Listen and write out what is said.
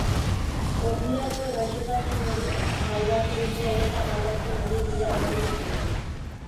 Gonbidatuek gaixotasun hori pairatu dute edota pairatzen ari dira oraindik ere.